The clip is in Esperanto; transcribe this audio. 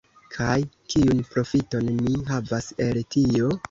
Kaj kiun profiton mi havas el tio?